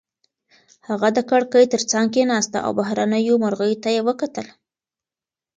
هغه د کړکۍ تر څنګ کېناسته او بهرنیو مرغیو ته یې وکتل.